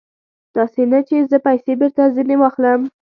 داسې نه چې زه پیسې بېرته ځنې واخلم.